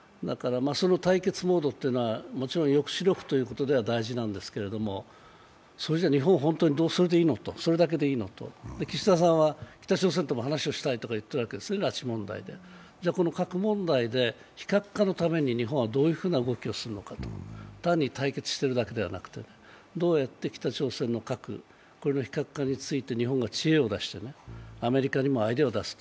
対決モードというのは抑止力という意味では大切なんですけれどもそれじゃ日本、本当にそれだけでいいのと岸田さんは北朝鮮とも話をしたいとか言ってるわけです、拉致問題でこの核問題で非核化のために日本はどういうふうな動きをするのか、単に対決するだけでなくどうやって北朝鮮の核これの非核化について日本が知恵を出してアメリカにもアイデアを出す。